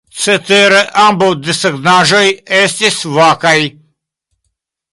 Cetere ambaŭ desegnaĵoj estis vakaj.